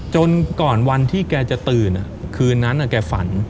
จนก่อนวันที่แกจะตื่นคืนนั้นแกฝัน